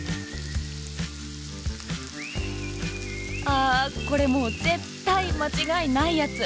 ああこれもう絶対間違いないやつ。